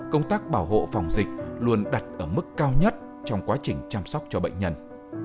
công tác bảo hộ phòng dịch luôn đặt ở mức cao nhất trong quá trình chăm sóc cho bệnh nhân